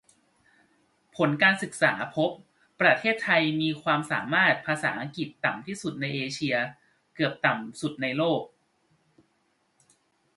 ผลการศึกษาพบ ประเทศไทยมีความสามารถภาษาอังกฤษต่ำที่สุดในเอเชีย เกือบต่ำสุดในโลก